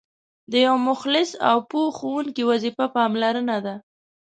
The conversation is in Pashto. د یو مخلص او پوه ښوونکي وظیفه پاملرنه ده.